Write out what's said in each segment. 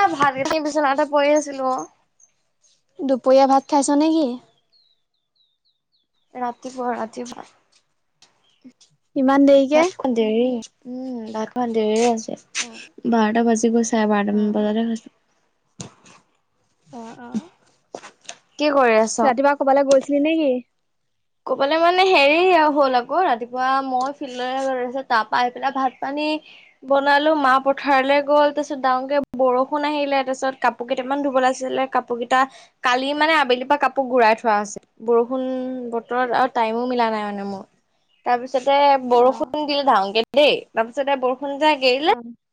এ ভাত কেইতটা [unintelligible] বিচনা এটা পৰি আছিলো। দুপৰীয়া ভাত খাইছ নেকি? ৰাতিপুৱা, ৰাতিপুৱা। ইমান দেৰিকে। ভাতখন দেৰি, উম ভাত খোৱা দেৰি আছে। অ', বাৰটা বাজি গৈ, চাই বাৰটা মান অ', বজাতে হয়। অ'। কি কৰি আছ? ৰাতিপুৱা কৰবালৈ গৈছিলি নেকি? কৰবালে মানে হেৰি হ'ল আকৌ, ৰাতিপুৱা মই ফিল্ডৰে গৈছিলো, তাৰ পৰা আহ পেলাই ভাত পানী বনালো মা পথাৰলে গ'ল তাৰপিছত ডাঙৰকে বৰষুণ আহিলে তাৰপিছত কাপো কাপোৰ কেইটামান ধুবলে আছিলে কাপোৰগিতা কালি মানে আবেলিৰপা কাপোৰ গুৰাই থোৱা আছিল। বৰষুণ বতৰত আৰু টাইমো মিলা নাই মানে মোৰ তাৰপিছতে অ', বৰষুণ দিলে ডাঙৰকে দেই তাৰপিছতে বৰষুণ যাক এৰিলে [inaudible]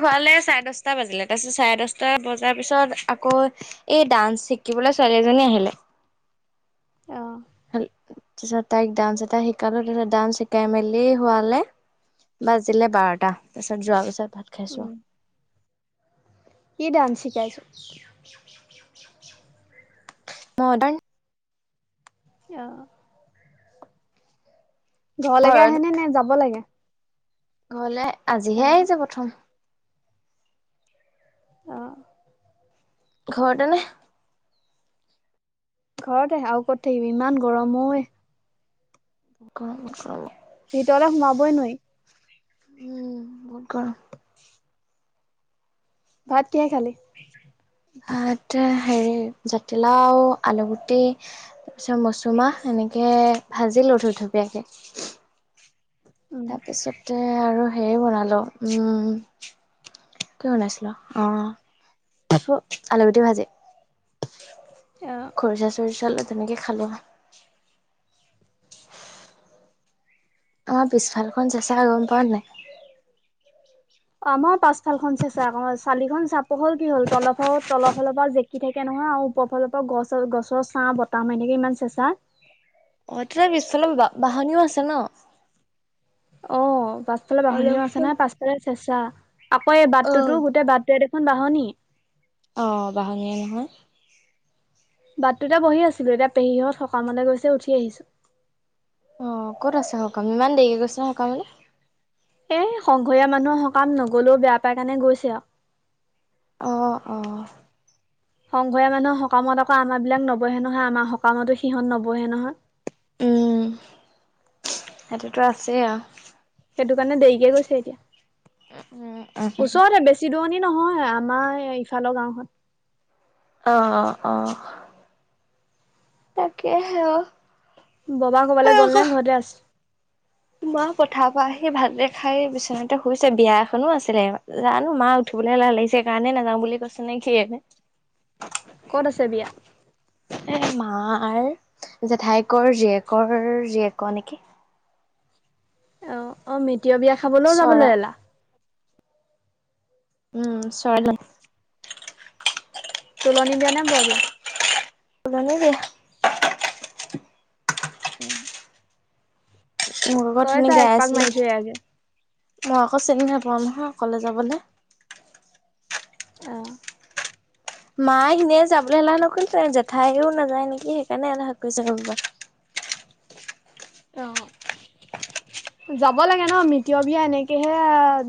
হোৱালে চাৰে দহটা বাজিলে তাৰপিছত চাৰে দহটা বজাৰ পিছত আকৌ এই ডান্স শিকিবলে ছোৱালী এজনী আহিলে অ। তাৰপিছত তাইক ডান্স এটা শিকালোঁ তাৰপিছত ডান্স শিকাই মেলি হোৱালে বাজিলে বাৰটা তাৰপাছত যোৱা পিছত ভাত খাইছোঁ উম, আৰু কি ডান্স শিকাইছ? মদাৰ্ণ অ। ঘৰলেকে ঘৰত আহে নে নে যাব লাগে? ঘৰলে আজিহে অ', আহিছে প্ৰথম অ'। ঘৰতে নে? ঘৰতে আৰু ক'ত থাকিবি ইমান গৰম ঐ [unintelligible] ভিতৰলে সোমাবই নোৱাৰি উম বহুত গৰম ভাত কিহে খালি? ভাত হেৰি জাতিলাও, আলুগুটি তাৰপিছত মচুমাহ এনেকে ভাজিলো থুপথুপীয়াকে উম, তাৰপিছতে আৰু হে বনালো উম কি বনাইছিলো অ আলুগুটি ভাজি অ, খৰিচা চৰিচা লৈ তেনেকে খালো আমাৰ পিছফালখন চেচা গম পাৱ নাই? আমাৰো পাছফালখন চেচা আকৌ চালিখন চাপৰ হ'ল কি হ'ল তলৰফালৰ পৰা জে -কি থাকে নহয় আৰু ওপৰ ফালৰ পৰা গছ গছৰ ছাঁ বতাহ মাৰি থাকে ইমান চেঁচা অ তহঁতৰ পিছফালৰ বাহনিও আছে ন অ পাছফালে অলপ বাহনিও আছে চলপ নহয় পাছফালে চেঁচা আকৌ এই অ। বাটটোতো গোটে বাটটোৱে দেখো খন বাহনি অ বাহনীয়ে নহয় বাটটোতে বহি আছিলো এতিয়া পেহীহঁত সকামলে গৈছে উঠি আহিছো। অ ক'ত আছে সকাম ইমান দেৰিকে গৈছে নে সকামলে এ সংঘৰীয়া মানুহৰ সকাম নগলেও বেয়া পাই কাৰণে গৈছে আৰু অ অ। সংঘৰীয়া মানুহৰ সকামত আকৌ আমাৰবিলাক নবহে নহয় আমাৰ সকামতো সিহঁত নবহে নহয়। উম সেইটোতো আছেই আৰু সেইটো কাৰণে দেৰিকে গৈছে উম এতিয়া উম ওচৰতে বেছি বেছি দুৰনি নহয় আমাৰ ইফালৰ গাঁওখন অ অ অ। তাকে হে আৰু ববা ক'বালে গ'ল নে ঘৰতে আছে। পথাৰ পৰা আহি ভাতগিতা খাই বিচনাতে শুইছে বিয়া এখনো আছিলে জানো মা উঠিবলে এলাহ লাগিছে কাৰণে নাযাওঁ বুলি কৈছে নে কিয়েনে ক'ত আছে বিয়া? এ মাৰ জেঠায়েকৰ জীয়েকৰ জীয়েকৰ নিকি? অ, অ, মিতিয়ৰ বিয়া খাবলৈও চৰা যাবলে এলাহ। উম, চাই লওঁ। তোলনি বিয়া নে, বৰ বিয়া? তুলনী বিয়া। উম, মোক আগত শুনি গাই আছিল, মাৰি থৈ আহগে। মই আকৌ চিনি নাপাৱা নহয় অকলে যাবলে। অহ, মা সিনিয়ে যাবলে এহলা নক'ল জেঠাইেও নাযায় নেকি, সেইকাৰণে এলাহ কৰিছে। অ, যাব লাগে ন' মিতিৰৰ বিয়া এনেকেহে।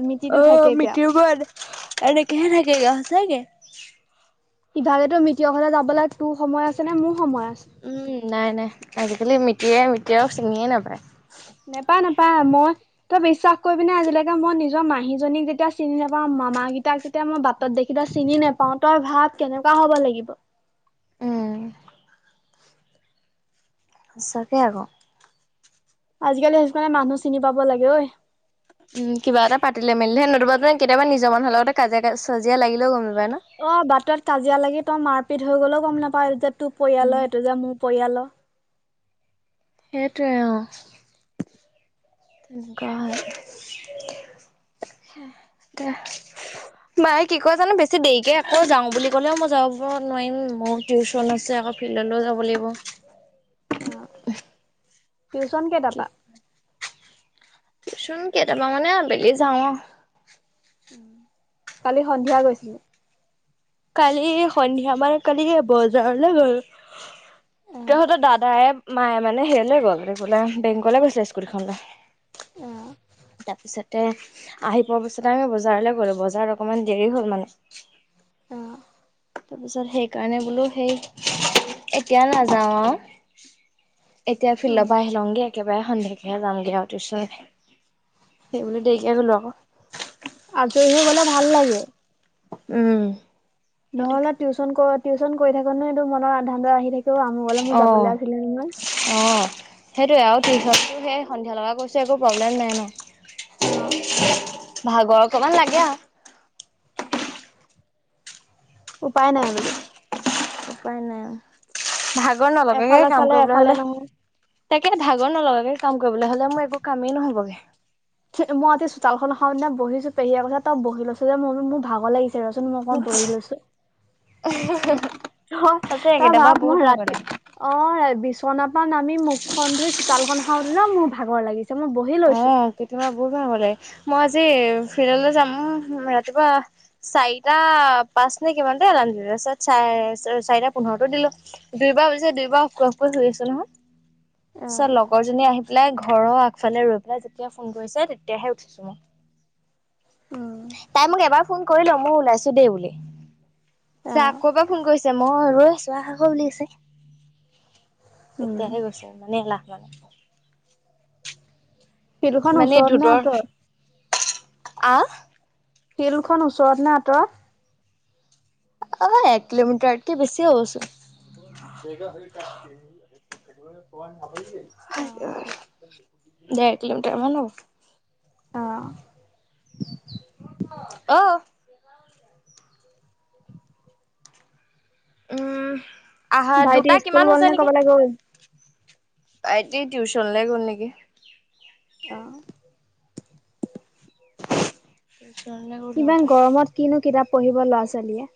মিতিৰটো অ, থাকেগে আৰু মিতিৰৰ বিয়া এনেকেহে থাকে গে সচাকে। ইভাগ তো মিতৰৰ ঘৰলে যাবলে, তোৰ সময় আছে নে মোৰ সময় আছে। উম, নাই-নাই আজিকালি মিতিৰে মিতিয়ক চিঙিয়ে নাপায়। নেপাই-নেপাই, মই তই বিশ্বাস কৰিবিনে আজিলৈকে মই নিজৰ মাহীজনীক যেতিয়া চিনি নাপাওঁ, মামাকেইটাক এতিয়া মই বাটত দেখি চিনি নেপাও, তই ভাৱ কেনেকুৱা হ'ব লাগিব? উম সঁচাকে আকৌ। আজিকালি সেইকাৰণে মানুহ চিনি পাব লাগে ঐ। উম, কিবা এটা পাতিলে মেলিলে নতুবা তো কেতিয়াবা নিজৰ মানুহ লগতে কাজিয়া লাগিলেও গম নাপাই ন। অ বাটত কাজিয়া লাগি তই মাৰপিট হৈ গ'লেও গ'ম নাপাৱও এইটো যে তোৰ উম পৰিয়ালৰ, এইটো যে মোৰ পৰিয়ালৰ। সেইটোৱে অ', তেনেকুৱা হয়। হয় [unintelligible] মায় কি কয় জানো বেছি দেৰিকৈ আকৌ যাওঁ বুলি ক'লেও মই যাব নোৱাৰিম, মোৰ টিউশচন আছে আকৌ। ফিল্ডলৈও যাব লাগিব। টিউশ্যন কেইটাৰ পা? টিউশ্যন কেইটাবা মানে আবেলি যাওঁ আৰু। কালি সন্ধিয়া গৈছিলো। কালি সন্ধিয়া মান কালি বজাৰলৈ গলো। অ' তহঁতৰ দাদায় মায়ে মানে হেয় লৈ গ'ল বোলে বেংকলে গৈছিলে স্কুটীখন লৈ। উম [unintelligible] তাৰপিছতে আহি পোৱাৰ পিছতে আমি বজাৰলৈ গলো বজাৰত অকণমান দেৰি হল মানে। অ' অ' তাৰপিছত সেইকাৰণে বোলো সেই এতিয়া নাযাওঁ আৰু। এতিয়া ফিল্ডৰ উম। পৰা আহি লওঁগে। একেবাৰে সন্ধিয়াকেহে যামগে আৰু টিউশ্যন সেইবুলি দেৰিকে গ'লো আকৌ। আজৰি হৈ গলে ভাল লাগে। উম, সেইটোৱে। নহ'লে টিউচন ক টিউশন থাকোতে মনৰ আ, ধান্দাটো আহি থাকে। কিয় আমু গলে মোৰ অ', যাবলে আছিলে নে নহয়। অ, সেইটোৱে আৰু টিউ্যনটো সেই সন্ধিয়া লগা কৈছো একো প্ৰব্লেম নাই ন। অ' ভাগৰ অকমান লাগে আৰু। উপায় নাই বুলি। উপ-উপাই নাই। ভাগৰ নলগাকে এফালে কাম চালে কৰিবলে এফালে হলে নহয়। তাকে ভাগৰ নলগাকে কাম কৰিবলে হলে মোৰ একো কামেই নহ'বগে। মইতি চোতালখন সাৰিতে বহিছো পেহিয়ে কথা ত বহি লৈছো যে ম মোৰ ভাগৰ লাগিছে। দেৰচোন মই অকন বহি লৈছো। অ, সঁচাকে তাৰ কেতিয়াবা ভাত বহুত মই ভাগৰ ৰাতি লাগে। অ, বিচনাাপা নামি মুখখন ধুই চোতালখন সৰোতে ন মোৰ ভাগৰ লাগিছে। মই বহি লৈছো। অ', কেতিয়াবা বহুত ভাগৰ লাগে, মই আজি ফিল্ডলৈ যাম ৰাতিপুৱা। চাৰিটা পাঁচ নে, কিমানতে এলাৰ্ম দিলোঁ। তাৰপিছত, চাৰে, চাৰিটা পোন্ধৰটো দিলোঁ। দেউবাৰ হৈছে, দেউবাৰো [unintelligible] পিছত, লগৰ জনীয়ে, আহি পেলাই, ঘৰৰ আগফালে ৰৈ পেলাই, যেতিয়া ফোন কৰিছে, তেতিয়াহে উঠিছোঁ, মই। উম। তাই মোক এবাৰ ফোন কৰিলে, মই ওলাইছোঁ দেই, বুলি। [unintelligible] অ', আকৌ, এবাৰ ফোন কৰিছে। মই ৰৈ আছোঁ, আহাকৌ বুলি কৈছে। উম। তেতিয়াহে গৈছোঁ, ইমানে এলাহ মানে। [unintelligible] ওচৰত নে আঁতৰ? আঁ? শিলখন ওচৰত নে আঁতৰত? অ'! এক কিলোমিটাৰতকে, বেছি হ'বচোন। [unintelligible] ডেৰ কিলোমিটাৰ মান হ'ব। অ'! [unintelligible] [unintelligible] অ'! উম, আহা। দুটা কিমান হৈছে নেকি! আইঐ! ভাইটি টিউচনলে গ'ল নেকি! অ'! [inaudible] [unintelligible] কিমান গৰমত, কিনো কিতাপ পঢ়িব, ল'ৰা- ছোৱালীয়ে।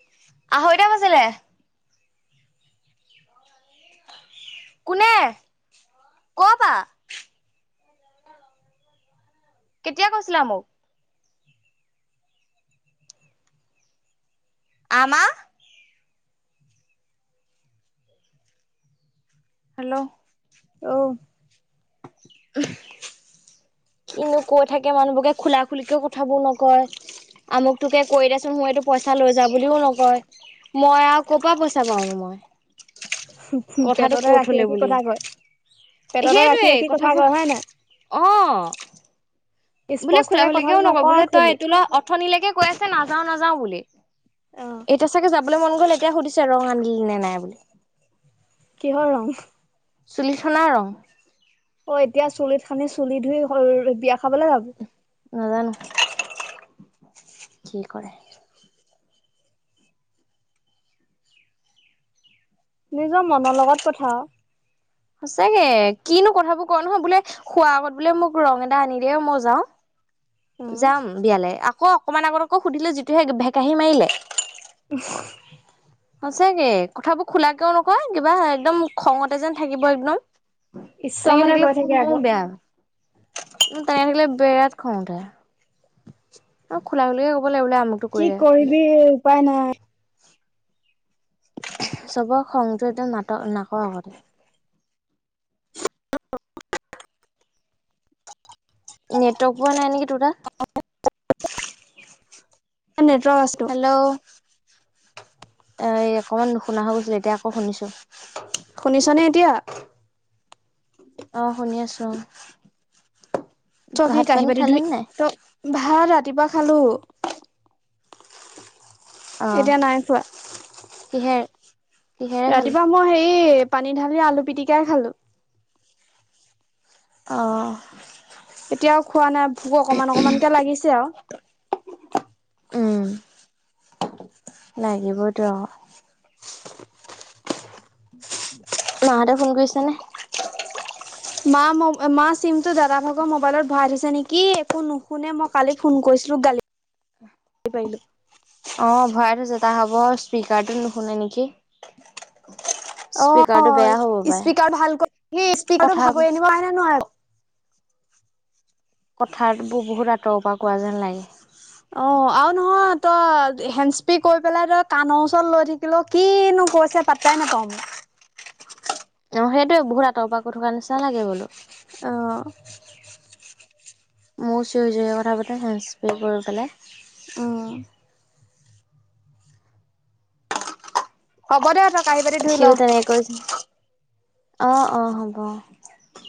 আঢ়ৈটা বাজিলে। কোনে? ক'ৰ পৰা? কেতিয়া কৈছিলা মোক? আমাৰ? হেল্ল'? ঔ! [unintelligible] কিননো কৈ থাকে, মানুহবিলাকে, খোলা- খুলিকেও কথাবোৰ নকয়। আমোটোকে কৰি দেচোন? [unintelligible] এইটো পইচা লৈ যা বুলিও নকয়। মই আৰু ক'ৰ পৰা, পইচা পাওঁনো মই। হু! কথাটো কৈ থ'লে বুলি। পেটতে ৰাখি সেইটোৱে! ৰাখি কথা কয় কথাবোৰ, হয় নাই? অ'! বোলে, স্পষ্টকে কথাটো খুলা-খুলিকেও নকয়, বোলে, তই খুলি, এইটো ল'। ওঠনি লৈকে, কৈ আছে, নাযাওঁ-নাযাওঁ বুলি, অ', এতিয়া চাগে যাব। বোলে, মন গ'ল! এতিয়া সুধিছে, ৰং আনিলনে নাই বুলি। কিহৰ ৰং? চুলিত সনা ৰং। অ'! এতিয়া, চুলিত সানি, চুলি ধুই, বিয়া খাবলৈ যাব। নাজানোঁ, কি কৰে! নিজৰ মনৰ লগত কথা আৰু। সঁচাকে! কিনো কথাবোৰ কৈ নহয়, বোলে, খোৱাৰ আগত বোলে, মোক ৰং এটা আনি দে, মই যাওঁ। অ', যাম বিয়ালে। আকৌ, অকমান আগত আকৌ, সুধিলে! যিটোহে ভেকাহী মাৰিলে। [unintelligible] সচাঁকে! কথাবোৰ খুলাকেও নকয়, কিবা একদম, খঙতে যেন থাকিব, একদম! তেনেকে ইচ্ছামতে থাকিলে, কৈ থাকে মোৰো আকৌ, বেয়া, কিন্তু, তেনেকে থাকিলে, বিৰাট খং উঠে! [inaudible] খুলা-খুলিকে ক'ব লাগে, বোলে আমোকটো কৰি দে। [unintelligible] উপাই নাই। চবৰ খংটোৱে একদম [unintelligible] নাকৰ আগত। নেটৱৰ্ক পোৱা নাই নেকি তোৰ তাত। [unintelligible] নেটৱৰ্ক আছেতো, হেল্ল' এ অকমান নুশুনা হৈ গৈছিল এতিয়া আকৌ শুনিছো। শুনিছ নে এতিয়া? অ শুনি আছো। ত কি ভাত পানী কাঁহী-বাতি খালি ধুই- নাই তই ভাত ৰাতিপুৱা খালো। এতিয়া অহ নাই খোৱা। কিহেৰ? ৰাতিপুৱা মই হেৰি পানী ঢালি আলু পিটিকাই খালো। অ। এতিয়াও খোৱা নাই ভোক অকমান অকমানকে লাগিছে আৰু। উম। লাগিবতো আৰু। মাহঁতে ফোন কৰিছে নে? মা ম মা চিমটো দাদা ভাগৰ মোবাইলত ভৰাই থৈছে নেকি, একো নুশুনে মই কালি ফোন কৰিছিলোঁ গালি [unintelligible] অ ভৰাই থৈছে তা হ'ব স্পীকাৰটো নুশুনে নেকি। স্পীকাৰটো বেয়া হ'ব পাৰে। কথা [unintelligible] কথাবোৰ বহুত আঁতৰৰ পৰা কোৱা যেন লাগে। অ আৰু নহয় তই হেণ্স্পি কৈ পেলাই তই কাণৰ ওচৰত লৈ থাকিলো কিনো কৈছে পা পাই নাপাওঁ। অ সেইটোয়ে বহুত আতৰ পৰা কৈ থকা নিচা লাগে বোলো। অ। মোৰ চিঞৰি চিঞৰি কথা পাতে হেস্প্ৰে কৰি পেলাই। উম। হ'ব দেহ তই বাতি ধুই সিই ল তেনেকে কৈ অ অ হ'ব। উম।